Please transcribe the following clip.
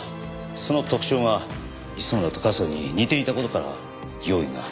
その特徴が磯村と春日に似ていた事から容疑が。